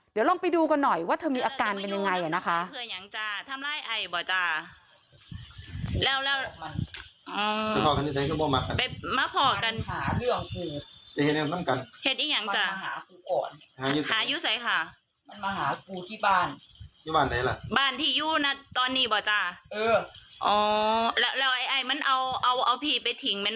เดี๋ยวลองไปดูกันหน่อยว่าเธอมีอาการเป็นยังไงนะคะ